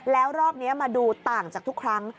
แล้วรอบนี้มาดูต่างจากทุกครั้ง